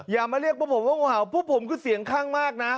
อย่ามาเรียกพวกผมว่างูเห่าพวกผมคือเสียงข้างมากนะ